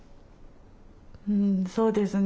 うんそうですね。